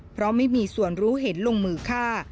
เพราะไม่มีส่วนรู้เห็นลงมือฆ่า